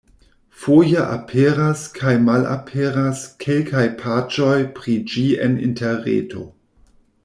Foje aperas kaj malaperas kelkaj paĝoj pri ĝi en interreto.